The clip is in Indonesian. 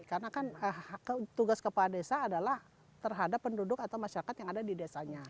karena kan tugas kepala desa adalah terhadap penduduk atau masyarakat yang ada di desanya